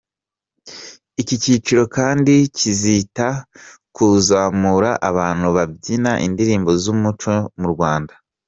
Iki cyiciro kandi kizita ku kuzamura abantu babyina indirimbo z’umucyo mu Rwanda.